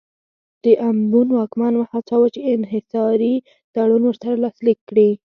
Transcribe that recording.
د امبون واکمن وهڅاوه چې انحصاري تړون ورسره لاسلیک کړي.